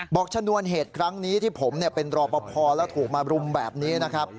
ชนวนเหตุครั้งนี้ที่ผมเป็นรอปภแล้วถูกมารุมแบบนี้นะครับ